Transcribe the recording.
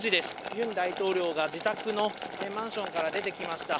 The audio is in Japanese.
ユン大統領が自宅のマンションから出てきました。